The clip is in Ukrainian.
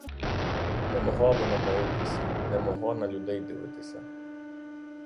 Не могла вона молитися, не могла на людей дивитися.